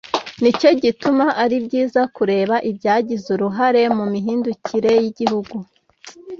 Nicyo gituma ari byiza kureba ibyagize uruhare mu mihindukire y'igihugu,